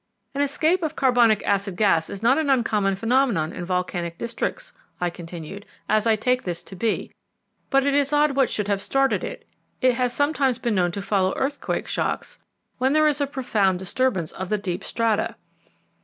"An escape of carbonic acid gas is not an uncommon phenomenon in volcanic districts," I continued, "as I take this to be; but it is odd what should have started it. It has sometimes been known to follow earthquake shocks, when there is a profound disturbance of the deep strata."